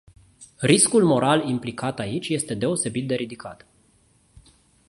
Riscul moral implicat aici este deosebit de ridicat.